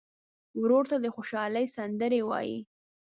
ورور ته د خوشحالۍ سندرې وایې.